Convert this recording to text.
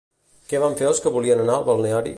Què van fer els que volien anar al balneari?